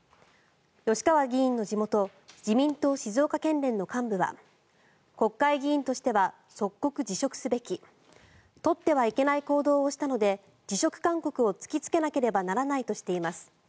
吉川議員の地元自民党静岡県連の幹部は国会議員としては即刻辞職すべき取ってはいけない行動をしたので辞職勧告を突きつけなければならないとしています。